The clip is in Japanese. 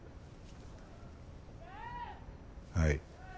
はい。